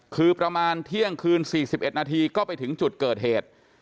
คือประมาณเที่ยงคืน๔๑นาทีก็ไปถึงจุดเกิดเหตุ